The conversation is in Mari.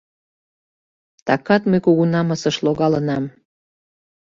Такат мый кугу намысыш логалынам.